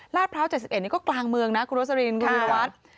พร้าว๗๑นี่ก็กลางเมืองนะคุณโรสลินคุณวิรวัตร